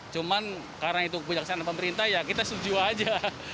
cuman karena itu kebijaksanaan pemerintah ya kita setuju aja